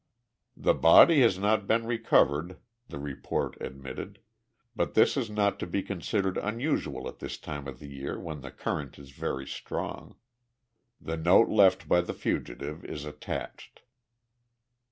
The body has not been recovered [the report admitted], but this is not to be considered unusual at this time of the year when the current is very strong. The note left by the fugitive is attached.